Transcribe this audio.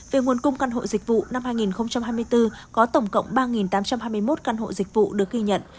về nguồn cung căn hộ dịch vụ năm hai nghìn hai mươi bốn có tổng cộng ba tám trăm hai mươi một căn hộ dịch vụ được ghi nhận